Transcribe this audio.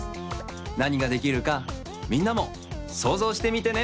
なにができるかみんなもそうぞうしてみてね。